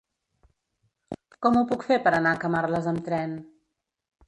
Com ho puc fer per anar a Camarles amb tren?